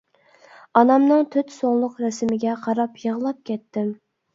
ئانامنىڭ تۆت سۇڭلۇق رەسىمىگە قاراپ يىغلاپ كەتتىم.